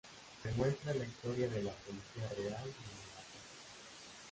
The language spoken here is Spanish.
Se muestra la historia de la Policía Real de Malasia.